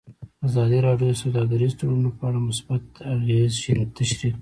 ازادي راډیو د سوداګریز تړونونه په اړه مثبت اغېزې تشریح کړي.